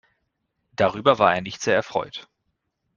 Darüber war er nicht sehr erfreut.